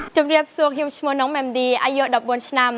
จุดเรียบสุขยอมชมน้องแหม่มดีอายุ๑๒ชน